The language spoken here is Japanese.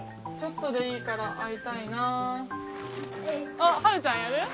あっはるちゃんやる？